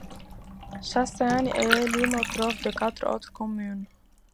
Chassaignes est limitrophe de quatre autres communes.